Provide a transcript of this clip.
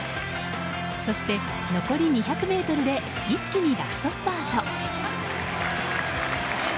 そして残り２００ｍで一気にラストスパート。